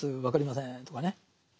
分かりませんとかね。